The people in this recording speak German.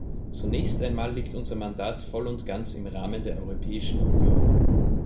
Zunächst einmal liegt unser Mandat voll und ganz im Rahmen der Europäischen Union.